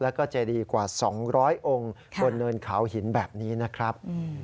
แล้วก็เจดีกว่า๒๐๐องค์บนเนินเขาหินแบบนี้นะครับ